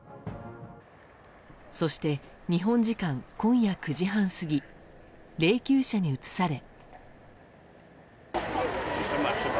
そして、日本時間今夜９時半過ぎ霊柩車に移され。